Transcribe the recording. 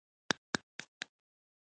هغوی له خپلو کاکاګانو څخه نصیحت اوري